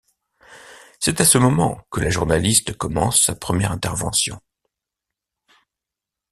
C'est à ce moment que la journaliste commence sa première intervention.